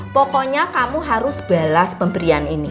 pokoknya kamu harus balas pemberian ini